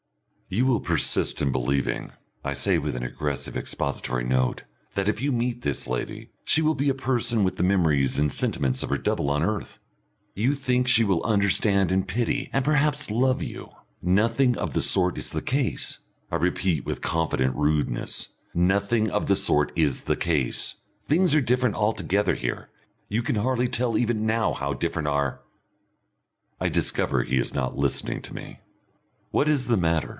"You will persist in believing," I say, with an aggressive expository note, "that if you meet this lady she will be a person with the memories and sentiments of her double on earth. You think she will understand and pity, and perhaps love you. Nothing of the sort is the case." I repeat with confident rudeness, "Nothing of the sort is the case. Things are different altogether here; you can hardly tell even now how different are " I discover he is not listening to me. "What is the matter?"